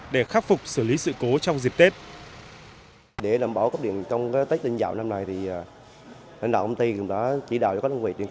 để khắc phục xử lý sự cố trong dịp tết